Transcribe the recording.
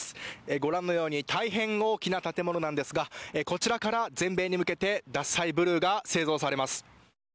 ご覧のように大変大きな建物なんですがこちらから全米に向けて獺祭ブルーが製造されます。